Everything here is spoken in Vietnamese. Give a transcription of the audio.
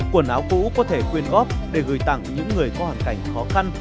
quần áo cũ có thể quyên góp để gửi tặng những người có hoàn cảnh khó khăn